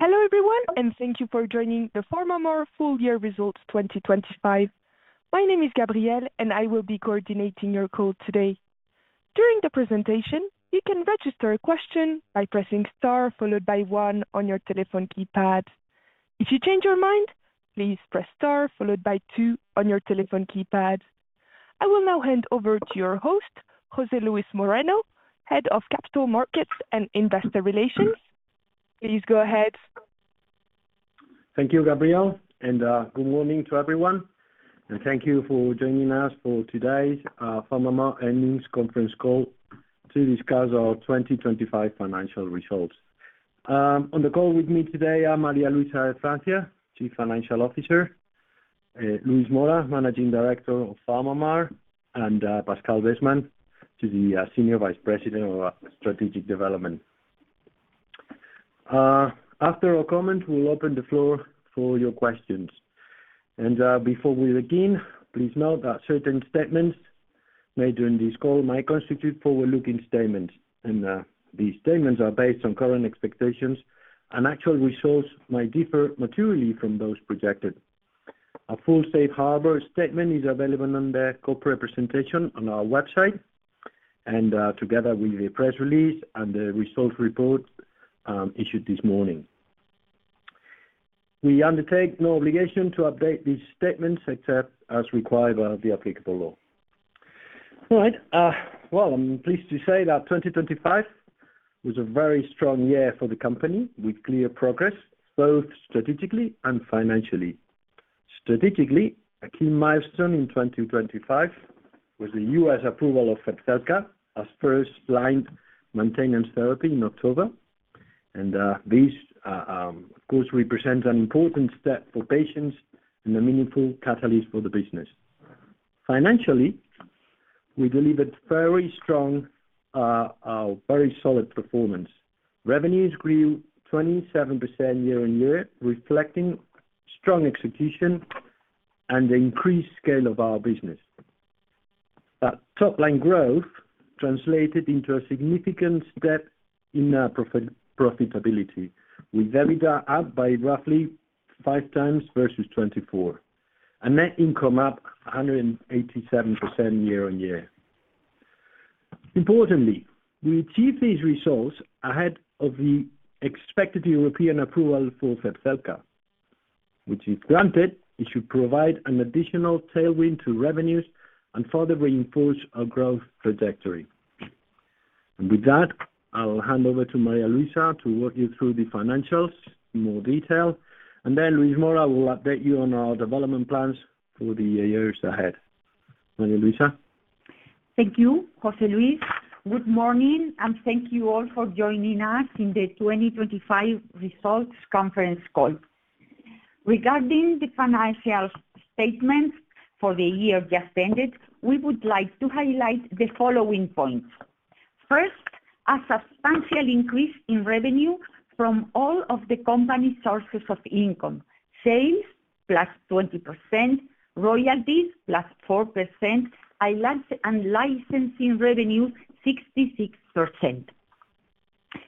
Hello, everyone. Thank you for joining the PharmaMar full year results 2025. My name is Gabrielle. I will be coordinating your call today. During the presentation, you can register a question by pressing star followed by one on your telephone keypad. If you change your mind, please press star followed by two on your telephone keypad. I will now hand over to your host, José Luis Moreno, Head of Capital Markets and Investor Relations. Please go ahead. Thank you, Gabrielle, good morning to everyone, and thank you for joining us for today's PharmaMar Earnings Conference Call to discuss our 2025 financial results. On the call with me today are María Luisa de Francia, Chief Financial Officer, Luis Mora, Managing Director of PharmaMar, and Pascal Besman, Senior Vice President of Strategic Development. After a comment, we'll open the floor for your questions. Before we begin, please note that certain statements made during this call might constitute forward-looking statements, these statements are based on current expectations, and actual results might differ materially from those projected. A full safe harbor statement is available on the corporate presentation on our website together with the press release and the results report issued this morning. We undertake no obligation to update these statements except as required by the applicable law. All right. Well, I'm pleased to say that 2025 was a very strong year for the company, with clear progress both strategically and financially. Strategically, a key milestone in 2025 was the U.S. approval of Zepzelca as first-line maintenance therapy in October, and, of course, represents an important step for patients and a meaningful catalyst for the business. Financially, we delivered very strong, very solid performance. Revenues grew 27% year-on-year, reflecting strong execution and the increased scale of our business. That top-line growth translated into a significant step in our profitability, with EBITDA up by roughly 5 times versus 2024, and net income up 187% year-on-year. Importantly, we achieved these results ahead of the expected European approval for Zepzelca, which if granted, it should provide an additional tailwind to revenues and further reinforce our growth trajectory. With that, I will hand over to María Luisa to walk you through the financials in more detail, and then Luis Mora will update you on our development plans for the years ahead. María Luisa? Thank you, José Luis. Good morning, and thank you all for joining us in the 2025 results conference call. Regarding the financial statements for the year just ended, we would like to highlight the following points. First, a substantial increase in revenue from all of the company's sources of income. Sales, +20%, royalties, +4%, and license and licensing revenue, 66%.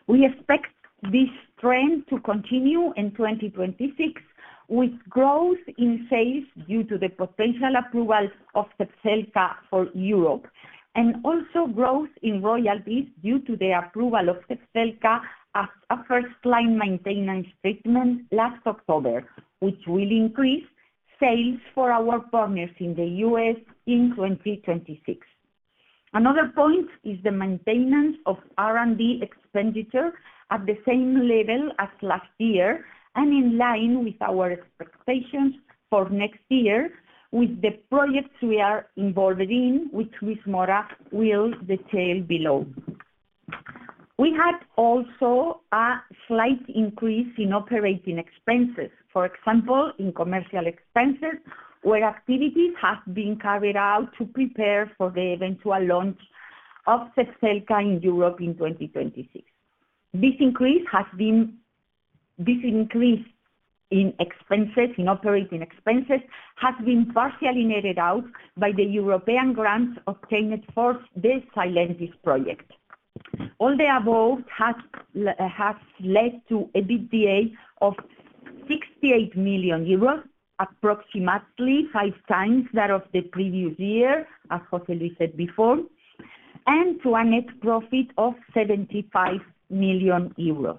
We expect this trend to continue in 2026, with growth in sales due to the potential approval of Zepzelca for Europe, and also growth in royalties due to the approval of Zepzelca as a first-line maintenance treatment last October, which will increase sales for our partners in the U.S. in 2026. Another point is the maintenance of R&D expenditure at the same level as last year and in line with our expectations for next year with the projects we are involved in, which Luis Mora will detail below. We had also a slight increase in operating expenses, for example, in commercial expenses, where activities have been carried out to prepare for the eventual launch of Zepzelca in Europe in 2026. This increase in expenses, in operating expenses, has been partially netted out by the European grants obtained for the Sylentis project. All the above has led to an EBITDA of 68 million euros, approximately 5 times that of the previous year, as José Luis said before, and to a net profit of 75 million euros.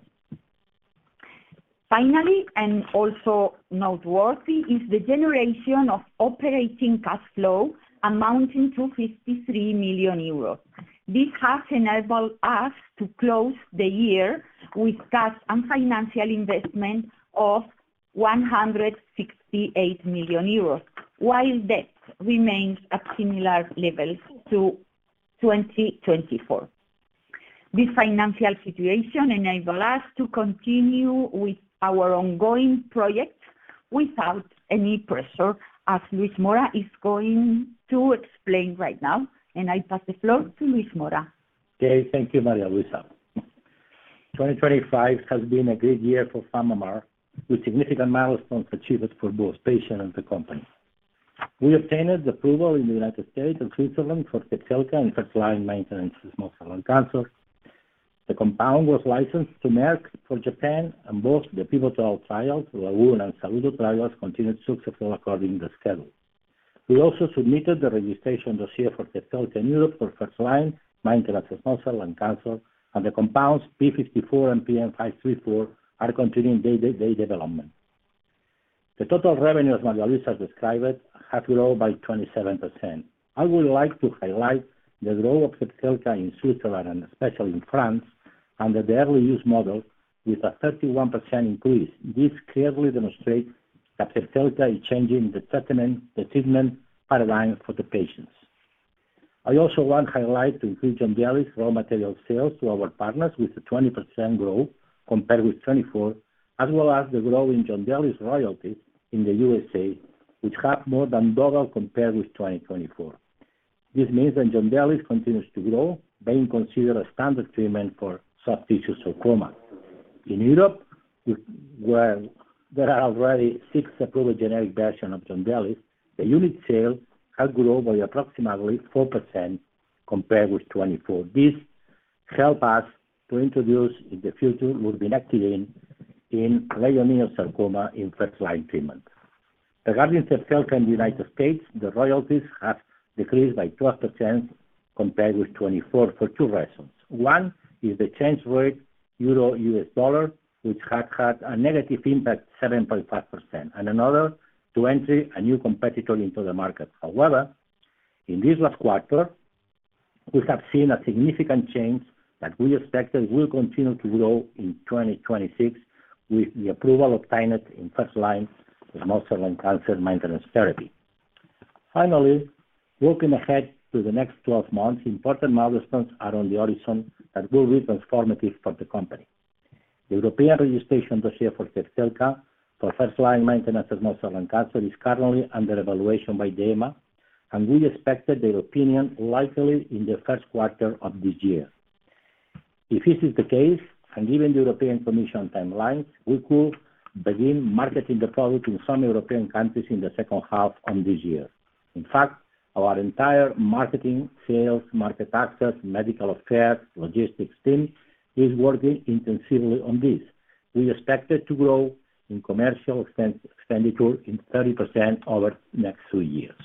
Finally, and also noteworthy, is the generation of operating cash flow amounting to 53 million euros. This has enabled us to close the year with cash and financial investment of 168 million euros, while debt remains at similar levels to 2024. This financial situation enable us to continue with our ongoing projects without any pressure, as Luis Mora is going to explain right now. I pass the floor to Luis Mora. Okay. Thank you, María Luisa. 2025 has been a great year for PharmaMar, with significant milestones achieved for both patients and the company. We obtained the approval in the United States and Switzerland for Zepzelca and first-line maintenance small cell lung cancer. The compound was licensed to Merck for Japan, and both the pivotal trials, LAGOON and SaLuDo trials, continued successful according to schedule. We also submitted the registration dossier for Zepzelca in Europe for first-line maintenance small cell lung cancer, and the compounds PM54 and PM534 are continuing their development. The total revenue, as María Luisa described it, have grown by 27%. I would like to highlight the growth of Zepzelca in Switzerland and especially in France, under the Early Access Program with a 31% increase. This clearly demonstrates that Zepzelca is changing the treatment paradigm for the patients. I also want to highlight the increased Yondelis raw material sales to our partners, with a 20% growth compared with 2024, as well as the growth in Yondelis royalties in the USA, which have more than doubled compared with 2024. This means that Yondelis continues to grow, being considered a standard treatment for soft tissue sarcoma. In Europe, where there are already six approved generic version of Yondelis, the unit sales have grown by approximately 4% compared with 2024. This help us to introduce, in the future, lurbinectedin in leiomyosarcoma in first-line treatment. Regarding Zepzelca in the United States, the royalties have decreased by 12% compared with 2024 for two reasons. One is the change rate EUR-USD, which has had a negative impact, 7.5%, and another, to enter a new competitor into the market. However, in this last quarter, we have seen a significant change that we expect will continue to grow in 2026, with the approval obtained in first line with small cell lung cancer maintenance therapy. Finally, looking ahead to the next 12 months, important milestones are on the horizon that will be transformative for the company. The European registration dossier for Zepzelca for first-line maintenance of small cell lung cancer is currently under evaluation by the EMA, and we expect their opinion likely in the first quarter of this year. If this is the case, and given the European Commission timelines, we could begin marketing the product in some European countries in the second half of this year. In fact, our entire marketing, sales, market access, medical affairs, logistics team is working intensively on this. We expect it to grow in commercial expenditure in 30% over the next two years.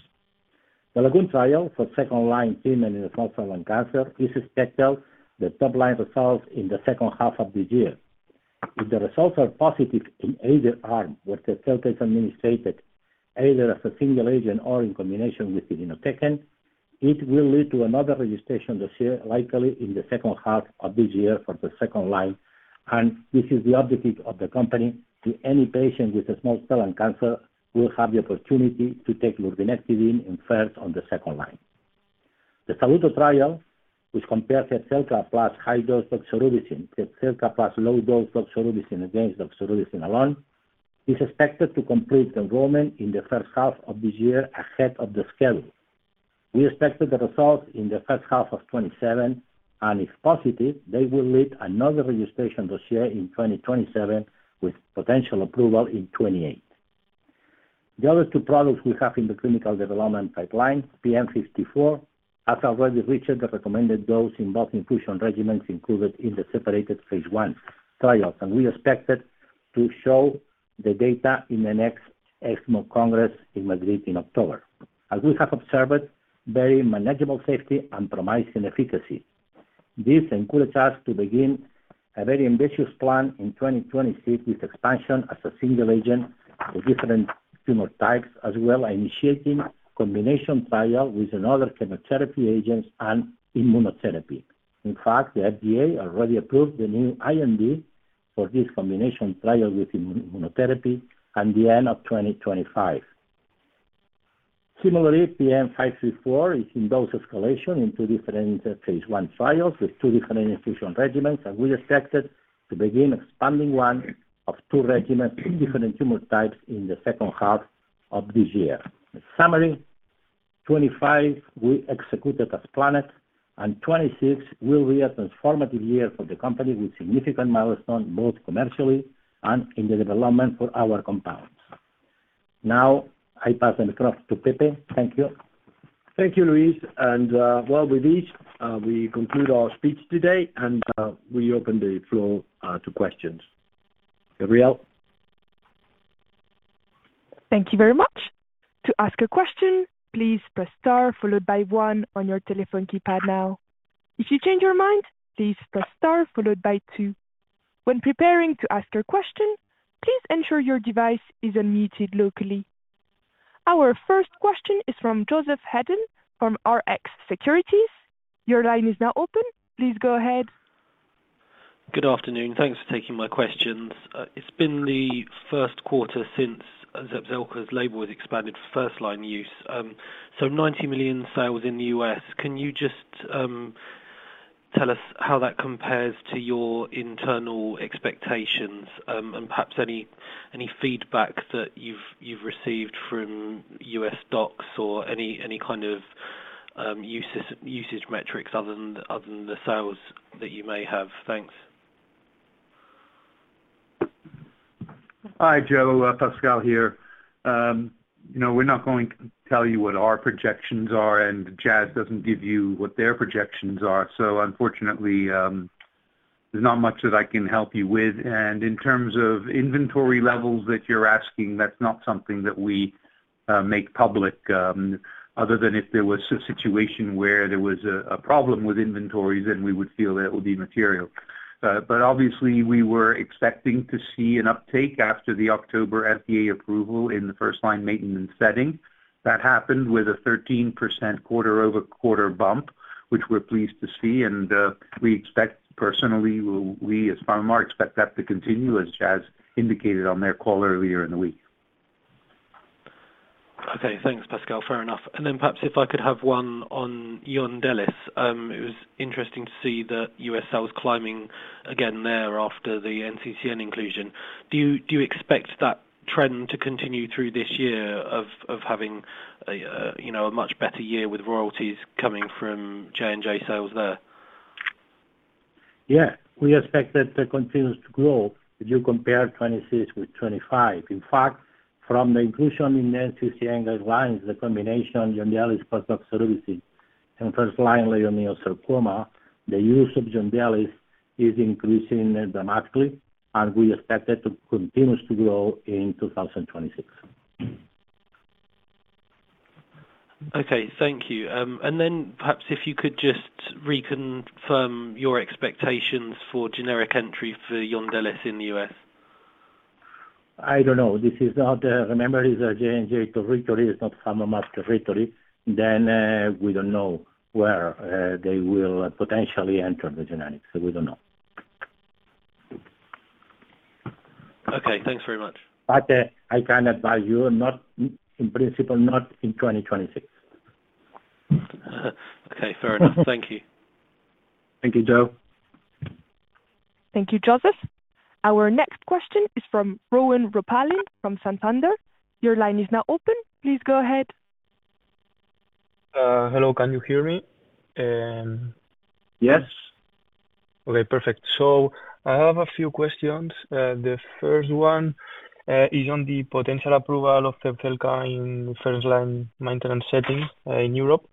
The LAGOON trial for second-line treatment in small cell lung cancer is expected the top-line results in the second half of this year. If the results are positive in either arm, where Zepzelca is administered, either as a single agent or in combination with vinorelbine, it will lead to another registration this year, likely in the second half of this year, for the second line. This is the objective of the company, to any patient with a small cell lung cancer will have the opportunity to take lurbinectedin in first or the second line. The SaLuDo trial, which compares Zepzelca plus high-dose doxorubicin, Zepzelca plus low-dose doxorubicin against doxorubicin alone, is expected to complete enrollment in the first half of this year, ahead of the schedule. We expect the results in the first half of 2027. If positive, they will lead another registration dossier in 2027, with potential approval in 2028. The other two products we have in the clinical development pipeline, PM54, have already reached the recommended dose in both infusion regimens included in the separated phase I trials. We expected to show the data in the next ESMO Congress in Madrid in October. As we have observed, very manageable safety and promising efficacy. This encourages us to begin a very ambitious plan in 2026, with expansion as a single agent for different tumor types, as well as initiating combination trial with another chemotherapy agents and immunotherapy. In fact, the FDA already approved the new IND for this combination trial with immunotherapy at the end of 2025. Similarly, PM534 is in dose escalation in two different phase I trials with two different infusion regimens. We expected to begin expanding one of two regimens in different tumor types in the second half of this year. In summary, 2025, we executed as planned, and 2026 will be a transformative year for the company, with significant milestones, both commercially and in the development for our compounds. Now I pass the across to Pepe. Thank you. Thank you, Luis. Well, with this, we conclude our speech today and we open the floor to questions. Gabrielle? Thank you very much. To ask a question, please press star followed by one on your telephone keypad now. If you change your mind, please press star followed by two. When preparing to ask your question, please ensure your device is unmuted locally. Our first question is from Joseph Hedden, from Rx Securities. Your line is now open. Please go ahead. Good afternoon. Thanks for taking my questions. It's been the first quarter since Zepzelca's label was expanded for first-line use. 90 million sales in the U.S. Can you just tell us how that compares to your internal expectations? Perhaps any feedback that you've received from U.S. docs or any kind of usage metrics other than the sales that you may have? Thanks. Hi, Joe. Pascal here. You know, we're not going to tell you what our projections are, and Jazz doesn't give you what their projections are. Unfortunately, there's not much that I can help you with. In terms of inventory levels that you're asking, that's not something that we make public, other than if there was a situation where there was a problem with inventories, then we would feel that would be material. Obviously, we were expecting to see an uptake after the October FDA approval in the first-line maintenance setting. That happened with a 13% quarter-over-quarter bump, which we're pleased to see, and we expect, personally, we as PharmaMar, expect that to continue, as Jazz indicated on their call earlier in the week. Okay, thanks, Pascal. Fair enough. Perhaps if I could have one on Yondelis. It was interesting to see the U.S. sales climbing again there after the NCCN inclusion. Do you expect that trend to continue through this year of having a, you know, a much better year with royalties coming from J&J sales there? Yeah, we expect that to continues to grow if you compare 2026 with 2025. In fact, from the inclusion in the NCCN guidelines, the combination, Yondelis post-observancy and first-line leiomyosarcoma, the use of Yondelis is increasing dramatically, and we expect it to continues to grow in 2026. Okay, thank you. Perhaps if you could just reconfirm your expectations for generic entry for Yondelis in the U.S. I don't know. This is not, remember, it's a J&J territory, it's not PharmaMar territory, we don't know where they will potentially enter the genetics. We don't know. Okay, thanks very much. I can advise you, not, in principle, not in 2026. Okay, fair enough. Thank you. Thank you, Joe. Thank you, Joseph. Our next question is from, from Santander. Your line is now open. Please go ahead. hello, can you hear me? Yes. Okay, perfect. I have a few questions. The first one is on the potential approval of Zepzelca in first-line maintenance setting in Europe.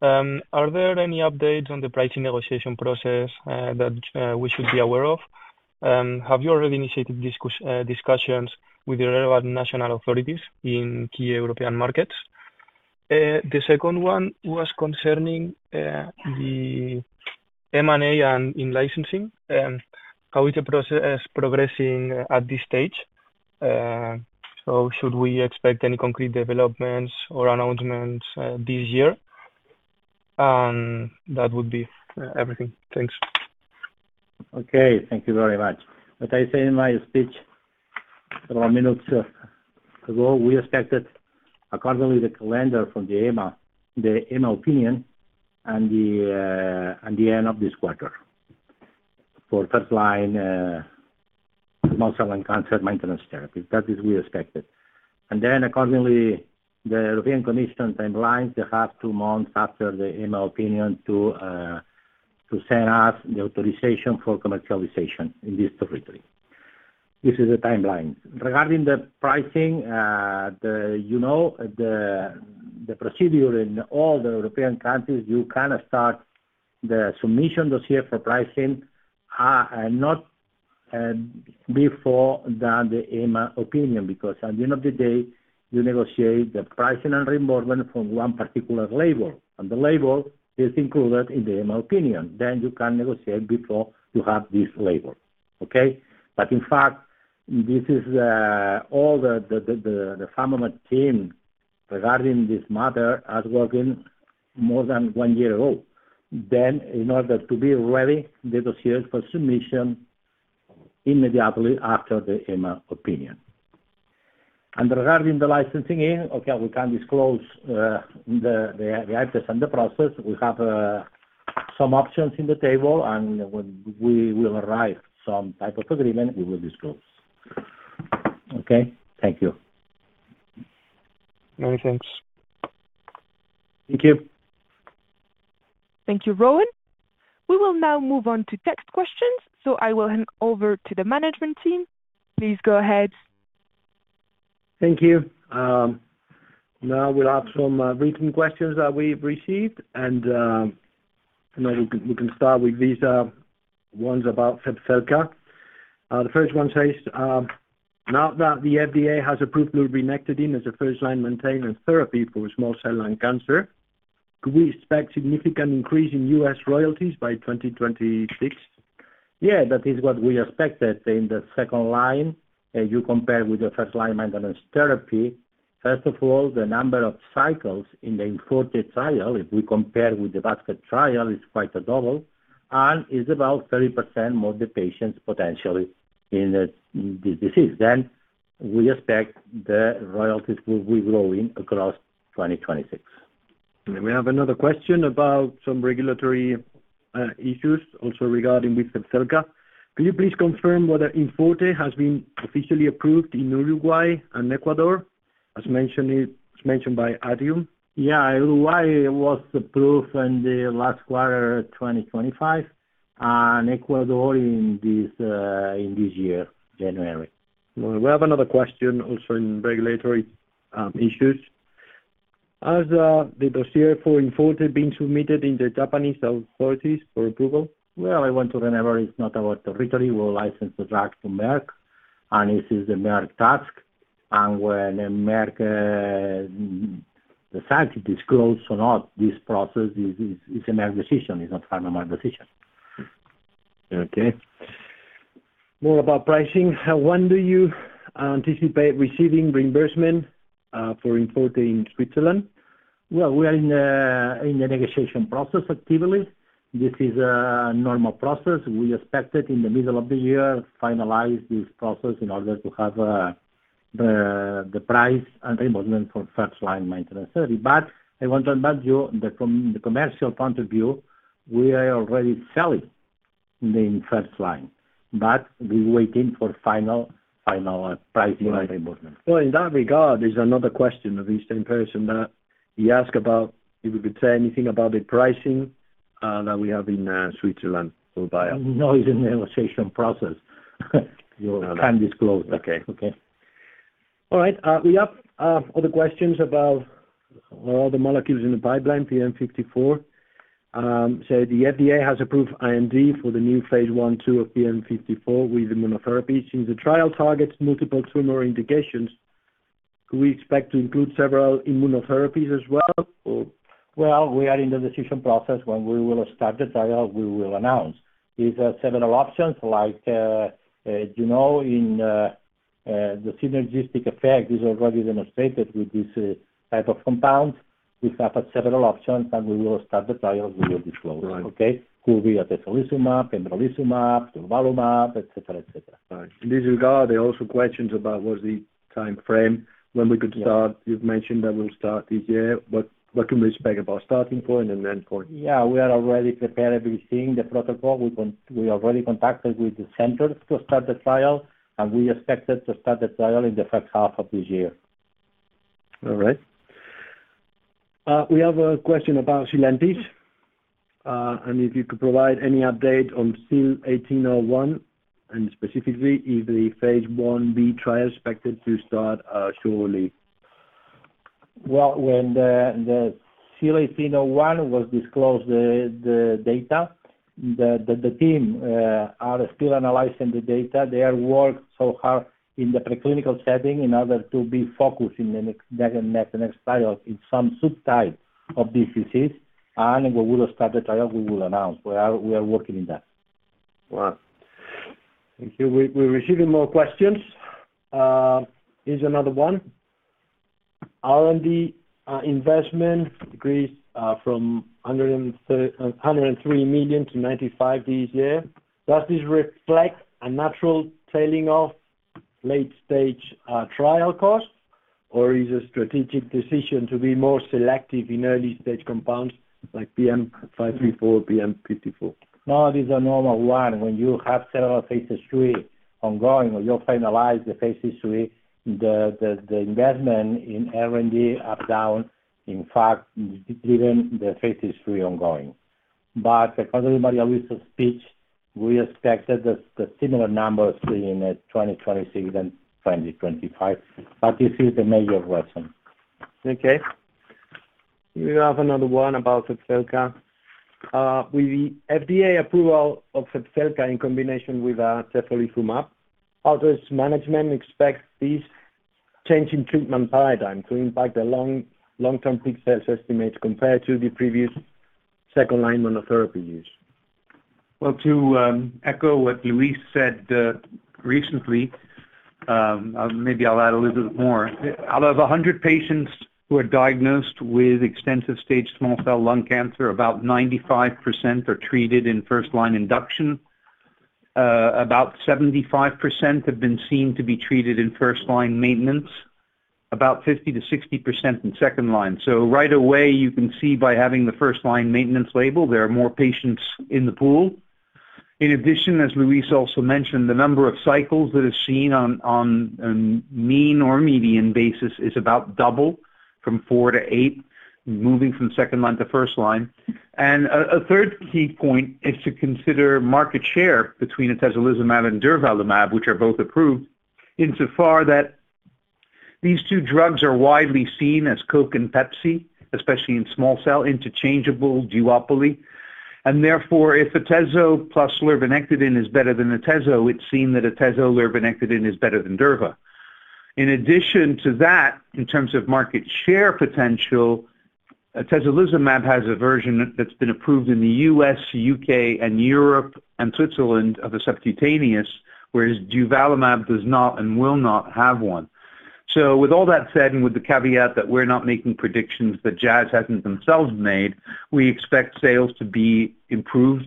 Are there any updates on the pricing negotiation process that we should be aware of? Have you already initiated discussions with the relevant national authorities in key European markets? The second one was concerning the M&A and in-licensing, how is the process progressing at this stage? Should we expect any concrete developments or announcements this year? That would be everything. Thanks. Okay, thank you very much. I say in my speech, a few minutes ago, we expected accordingly, the calendar from the EMA, the EMA opinion, and the end of this quarter. For first-line small cell lung cancer maintenance therapy. That is we expected. Accordingly, the European Commission timelines, they have two months after the EMA opinion to send us the authorization for commercialization in this territory. This is the timeline. Regarding the pricing, the procedure in all the European countries, you kind of start the submission this year for pricing, and not before than the EMA opinion, because at the end of the day, you negotiate the pricing and reimbursement for one particular label, and the label is included in the EMA opinion. You can negotiate before you have this label. Okay? In fact, this is, all the PharmaMar team, regarding this matter, are working more than one year old. In order to be ready, they negotiate for submission immediately after the EMA opinion. Regarding the licensing in, okay, we can't disclose the actors and the process. We have some options in the table, and when we will arrive some type of agreement, we will disclose. Okay. Thank you. Many thanks. Thank you. Thank you. We will now move on to text questions, I will hand over to the management team. Please go ahead. Thank you. Now we'll have some written questions that we've received, and you know, we can start with these ones about Zepzelca. The first one says, "Now that the FDA has approved lurbinectedin as a first-line maintenance therapy for small cell lung cancer, could we expect significant increase in U.S. royalties by 2026? That is what we expected in the second line, as you compare with the first line maintenance therapy. First of all, the number of cycles in the pivotal trial, if we compare with the basket trial, is quite a double and is about 30% more the patients potentially in this disease. We expect the royalties will be growing across 2026. We have another question about some regulatory issues also regarding with Zepzelca. "Can you please confirm whether Forte has been officially approved in Uruguay and Ecuador?" As mentioned by Adrian. Yeah. Uruguay was approved in the last quarter, 2025, and Ecuador in this year, January. Well, we have another question also in regulatory issues. "Has the dossier for import been submitted in the Japanese authorities for approval?" I want to remember, it's not our territory. We'll license the drug to Merck, this is the Merck task. When Merck, the fact it is closed or not, this process is a Merck decision. It's not PharmaMar decision. Okay. More about pricing. "When do you anticipate receiving reimbursement for import in Switzerland?" Well, we are in a negotiation process actively. This is a normal process. We expect it in the middle of the year, finalize this process in order to have the price and reimbursement for first line maintenance therapy. I want to remind you that from the commercial point of view, we are already selling in first line, but we waiting for final pricing and reimbursement. In that regard, there's another question of the same person that he asked about if we could say anything about the pricing, that we have in Switzerland for buyer. No, it's in the negotiation process. We can't disclose. Okay. Okay. We have other questions about all the molecules in the pipeline, PM54. "The FDA has approved IND for the new phase I/II of PM54 with immunotherapies. Since the trial targets multiple tumor indications, do we expect to include several immunotherapies as well, or?" Well, we are in the decision process. When we will start the trial, we will announce. These are several options like, you know, in the synergistic effect is already demonstrated with this type of compound. We have several options. We will start the trial, we will disclose. Right. Okay? Could be atezolizumab, pembrolizumab, durvalumab, etc. Right. "In this regard, there are also questions about what's the timeframe when we could start. You've mentioned that we'll start this year, what can we expect about starting point and endpoint?" Yeah, we are already preparing everything, the protocol. We already contacted with the centers to start the trial. We expected to start the trial in the first half of this year. All right. We have a question about Sylentis, "If you could provide any update on SIL1801, and specifically, if the Phase I-B trial is expected to start shortly." When the SIL1801 was disclosed the data, the team are still analyzing the data. They are worked so hard in the preclinical setting in order to be focused in the next trial in some subtype of diseases, and when we will start the trial, we will announce. We are working in that. Well, thank you. We're receiving more questions. Here's another one. "R&D investment decreased from 103 million-95 million this year. Does this reflect a natural tailing off late-stage trial costs, or is a strategic decision to be more selective in early-stage compounds like PM534, PM54?" No, this is a normal one. When you have several phase III ongoing, or you finalize the phase III, the investment in R&D are down. In fact, even the phase III ongoing. According to María Luisa's speech, we expected the similar numbers in 2026 and 2025. This is the major question. Okay. We have another one about Zepzelca. "With the FDA approval of Zepzelca in combination with atezolizumab, how does management expect this change in treatment paradigm to impact the long-term peak sales estimates compared to the previous second-line monotherapy use?" Well, to echo what Luis said, recently, maybe I'll add a little bit more. Out of 100 patients who are diagnosed with extensive stage small cell lung cancer, about 95% are treated in first line induction. About 75% have been seen to be treated in first line maintenance, about 50%-60% in second line. Right away, you can see by having the first line maintenance label, there are more patients in the pool. In addition, as Luis also mentioned, the number of cycles that is seen on mean or median basis is about double, from 4-8, moving from second line to first line. A third key point is to consider market share between atezolizumab and durvalumab, which are both approved, insofar that these two drugs are widely seen as Coke and Pepsi, especially in small cell, interchangeable duopoly. Therefore, if atezo plus lurbinectedin is better than atezo, it's seen that atezo liriovernictinib is better than durva. In addition to that, in terms of market share potential, atezolizumab has a version that's been approved in the U.S., U.K., and Europe, and Switzerland of a subcutaneous, whereas durvalumab does not and will not have one. With all that said, and with the caveat that we're not making predictions that Jazz hasn't themselves made, we expect sales to be improved,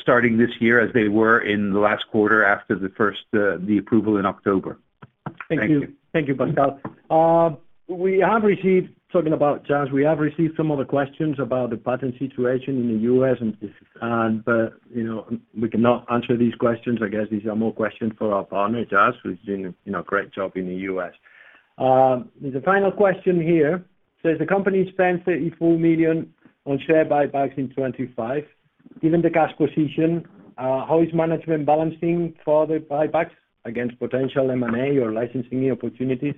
starting this year, as they were in the last quarter after the first approval in October. Thank you. Thank you. Thank you, Pascal. We have received, talking about Jazz, we have received some of the questions about the patent situation in the U.S. You know, we cannot answer these questions. I guess these are more questions for our partner, Jazz, who's doing a, you know, great job in the U.S. There's a final question here, "The company spent 34 million on share buybacks in 2025. Given the cash position, how is management balancing further buybacks against potential M&A or licensing opportunities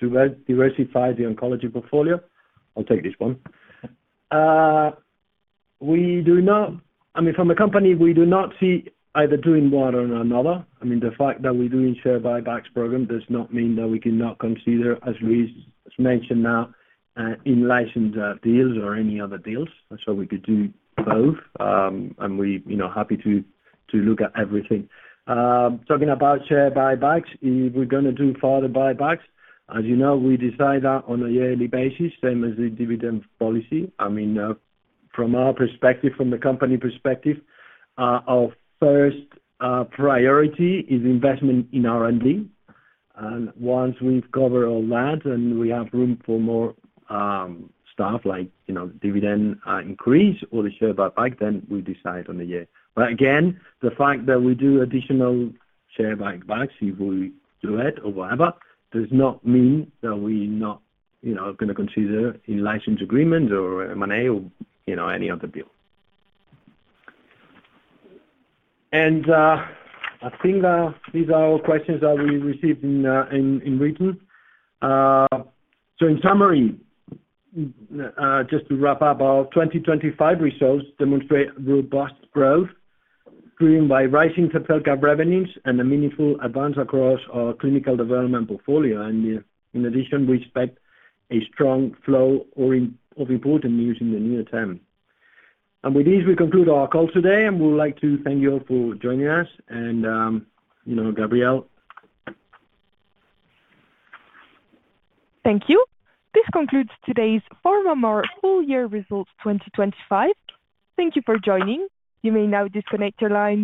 to diversify the oncology portfolio?" I'll take this one. We do not, I mean, from the company, we do not see either doing one or another. I mean, the fact that we're doing share buybacks program does not mean that we cannot consider, as Luis has mentioned now, in-license deals or any other deals. We could do both. We, you know, happy to look at everything. Talking about share buybacks, if we're gonna do further buybacks, as you know, we decide that on a yearly basis, same as the dividend policy. I mean, from our perspective, from the company perspective, our first priority is investment in R&D. Once we've covered all that and we have room for more, stuff like, you know, dividend increase or the share buyback, then we decide on the year. Again, the fact that we do additional share buybacks, if we do it or whatever, does not mean that we're not, you know, gonna consider in-license agreements or M&A or, you know, any other deal. I think these are all questions that we received in written. In summary, just to wrap up, our 2025 results demonstrate robust growth, driven by rising Zepzelca revenues and a meaningful advance across our clinical development portfolio. In addition, we expect a strong flow of important news in the near term. With this, we conclude our call today, and we would like to thank you all for joining us. You know, Gabrielle? Thank you. This concludes today's PharmaMar full year results 2025. Thank you for joining. You may now disconnect your lines.